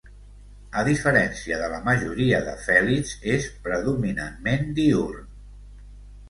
A diferència de la majoria de fèlids, és predominantment diürn.